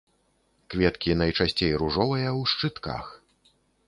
Кветкі найчасцей ружовыя, у шчытках.